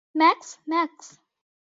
Max - max!